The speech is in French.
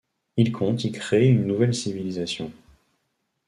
Il compte y créer une nouvelle civilisation.